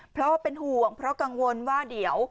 เพราะว่าเป็นห่วงเพราะกังวลว่าเดี๋ยว